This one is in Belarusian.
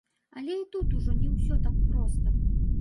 Але і тут ужо не ўсё так проста.